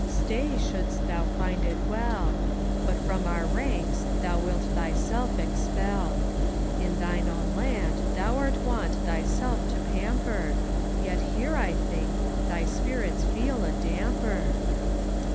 Stay, shouldst tliou find it well; But from our ranks thou wilt thyself expel. In thine own land thou 'rt wont thyself to pamper, Tet here, I think, thy spirits feel a damper.